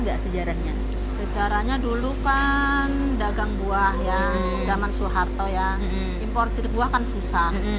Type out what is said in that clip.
enggak sejarahnya sejarahnya dulu kan dagang buah ya zaman soeharto ya importer buah kan susah